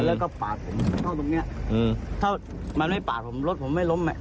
แล้วก็ปาดผมเข้าตรงเนี้ยอืมถ้ามันไม่ปาดผมรถผมไม่ล้มอ่ะ